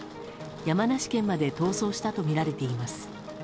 山梨県まで逃走したとみられています。